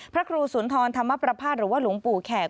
พระครูสุนทรธรรมประภาษณ์หรือว่าหลวงปู่แขก